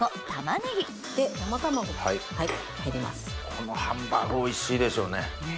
このハンバーグおいしいでしょうね。